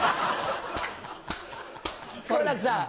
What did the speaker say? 好楽さん。